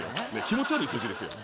気持ち悪い数字ですよ